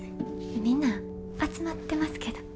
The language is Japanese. みんな集まってますけど。